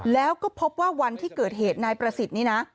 แล้วก็พบว่าวันที่เกิดเหตุนายประสิทธิ์นี้นะ